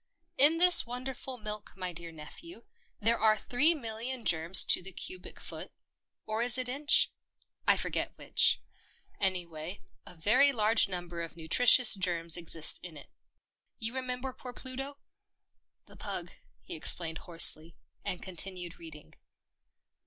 "In this wonderful milk, my dear nephew, there are three million germs to the cubic foot — or is it inch ? I forget which. Any way, a very large number of nutritious germs exist in it. You remember poor Pluto ? THE PEPNOTISED MILK 155 " The pug," he explained hoarsely, and continued reading.